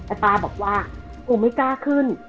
แต่ป้าบอกว่ากูไม่กล้าขึ้น